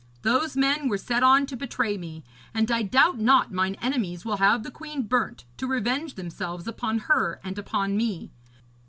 Those men were set on to betray me; and I doubt not mine enemies will have the queen burnt, to revenge themselves upon her and upon me.